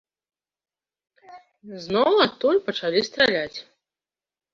Зноў адтуль пачалі страляць.